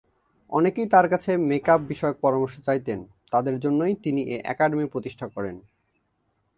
অনেকেই তার কাছ থেকে মেকআপ বিষয়ক পরামর্শ চাইতেন, তাদের জন্যেই তিনি এ একাডেমি প্রতিষ্ঠা করেন।